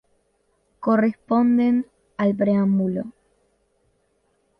Corresponden al preámbulo.